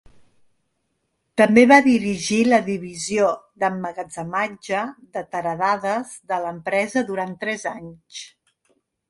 També va dirigir la divisió d'emmagatzematge de teradades de l'empresa durant tres anys.